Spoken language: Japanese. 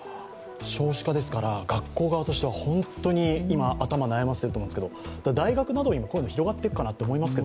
少子化ですから学校側としては本当に今、頭を悩ませていると思うんですけど、大学などにもこういうのが広がっていくかなと思いますね。